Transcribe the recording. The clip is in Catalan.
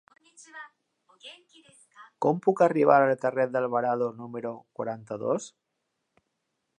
Com puc arribar al carrer d'Alvarado número quaranta-dos?